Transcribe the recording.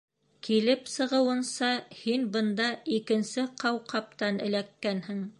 — Килеп сығыуынса, һин бында икенсе ҡауҡабтан эләккәнһең?